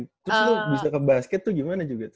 terus lu bisa ke basket tuh gimana juga